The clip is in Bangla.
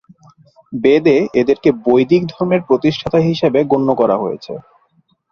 বেদে এদেরকে বৈদিক ধর্মের প্রতিষ্ঠাতা হিসেবে গণ্য করা হয়েছে।